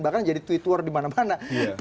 bahkan jadi tweet war di mana mana